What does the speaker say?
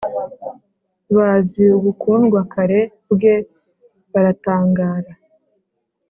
bazi ubukundwakare bwe baratangara.